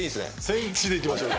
センチでいきましょう。